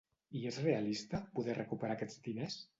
I és realista, poder recuperar aquests diners?